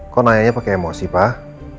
kok nanya pakai emosi pak